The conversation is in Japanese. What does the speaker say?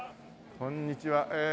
こんにちは。